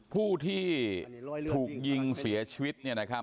ผู้ที่ถูกยิงเสียชีวิต